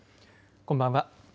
こんばんは。